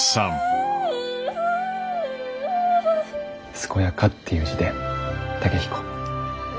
健やかっていう字で「健彦」。